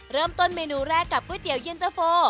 เริ่มต้นเมนูแรกกับก๋วยเตี๋ยวเย็นเตอร์โฟ